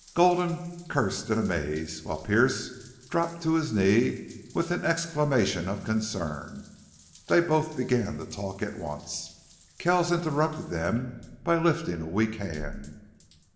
Gulden cursed in amaze while Pearce dropped to his knee with an exclamation of concern. Then both began to talk at once. Kells interrupted them by lifting a weak hand.